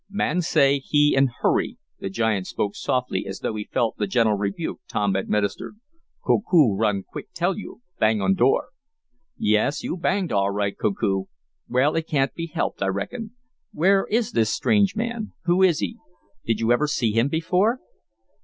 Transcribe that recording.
"Man say he in hurry." The giant spoke softly, as though he felt the gentle rebuke Tom administered. "Koku run quick tell you bang on door." "Yes, you banged all right, Koku. Well, it can't be helped, I reckon. Where is this strange man? Who is he? Did you ever see him before?"